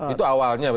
itu awalnya benar